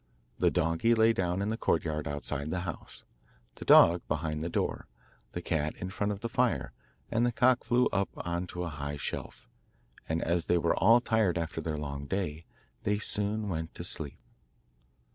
The donkey lay down in the courtyard outside the house, the dog behind the door, the cat in front of the fire, and the cock flew up on to a high shelf, and, as they were all tired after their long day, they soon went to sleep.